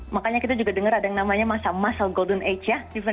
makanya kita juga dengar ada yang namanya masa muscle golden age ya